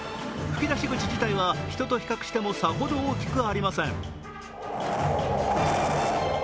噴き出し口自体は人と比較してもさほど大きくありません。